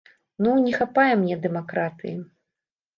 Ну, не хапае мне дэмакратыі.